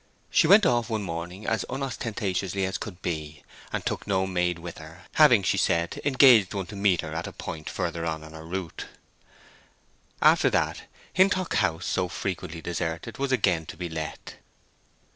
She went off one morning as unostentatiously as could be, and took no maid with her, having, she said, engaged one to meet her at a point farther on in her route. After that, Hintock House, so frequently deserted, was again to be let.